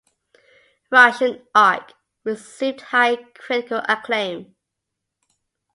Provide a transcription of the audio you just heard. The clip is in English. "Russian Ark" received high critical acclaim.